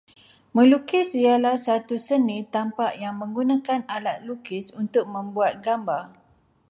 Melukis ialah suatu seni tampak yang menggunakan alat lukis untuk membuat gambar